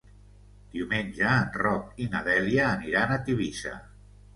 Diumenge en Roc i na Dèlia aniran a Tivissa.